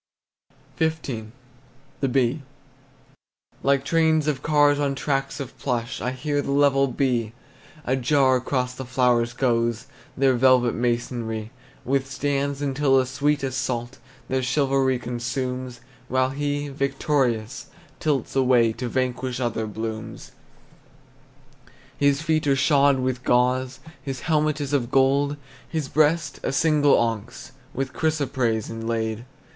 XV. THE BEE. Like trains of cars on tracks of plush I hear the level bee: A jar across the flowers goes, Their velvet masonry Withstands until the sweet assault Their chivalry consumes, While he, victorious, tilts away To vanquish other blooms. His feet are shod with gauze, His helmet is of gold; His breast, a single onyx With chrysoprase, inlaid.